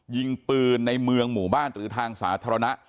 ยิงปืนในเมืองหมู่บ้านหรือทางสาธารณะ